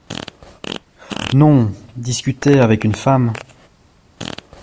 Non ! discuter avec une femme…